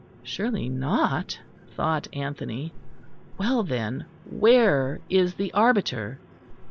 Surely not, thought Anthony. Well, then, where is the arbiter?